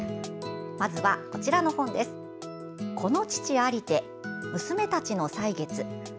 「この父ありて娘たちの歳月」